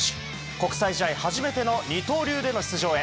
国際試合初めての二刀流での出場へ。